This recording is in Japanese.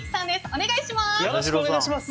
お願いします。